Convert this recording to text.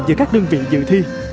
giữa các đơn vị dự thi